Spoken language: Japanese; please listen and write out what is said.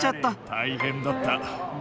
大変だった。